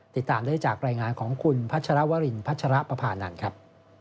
ติดตามได้จากรายงานของคุณพัชรวรินพัชรปภานันทร์ครับ